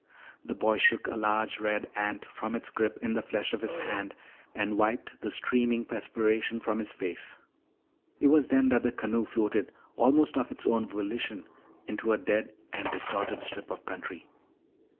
The boy shook a large red ant from its grip in the flesh of his hand and wiped the streaming perspiration from his face. It was then that the canoe floated almost of its own volition into a dead and distorted strip of country.